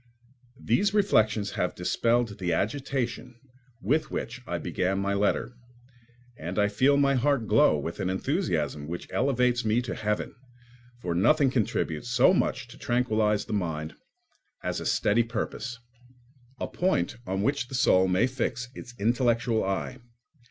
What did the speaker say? These reflections have dispelled the agitation with which I began my letter, and I feel my heart glow with an enthusiasm which elevates me to heaven, for nothing contributes so much to tranquillise the mind as a steady purpose—a point on which the soul may fix its intellectual eye.